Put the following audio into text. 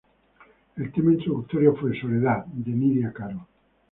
El tema introductorio fue "Soledad" de Nydia Caro.